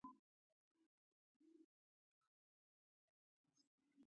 هغه وویل چې زه نه پوهیږم.